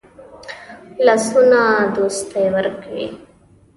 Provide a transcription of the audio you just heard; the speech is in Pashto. لاسونه دوستی کوي